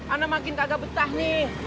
anda makin kagak betah nih